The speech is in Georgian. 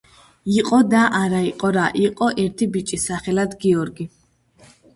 იყო და არა იყო რა იყო ერთი ბიჭი სახელად გიორგი